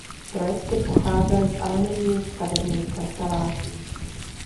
Projekty pocházely z anonymních stavebních kanceláří.